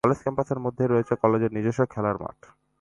College ক্যাম্পাসের মধ্যেই রয়েছে কলেজের নিজস্ব খেলার মাঠ।